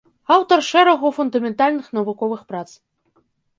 Аўтар шэрагу фундаментальных навуковых прац.